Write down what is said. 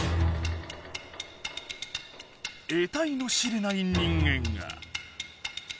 えたいの知れない人間が。